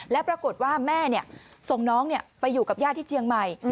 แล้วปรากฏว่าแม่ส่งน้องไปอยู่กับญาติที่เชียงใหม่